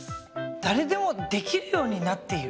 誰でも出来るようになっている？